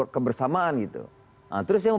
kebersamaan gitu nah terus saya mau